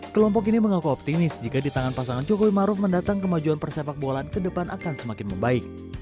kelompok ini mengaku optimis jika di tangan pasangan jokowi maruf mendatang kemajuan persepak bolaan ke depan akan semakin membaik